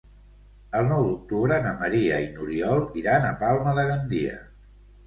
El nou d'octubre na Maria i n'Oriol iran a Palma de Gandia.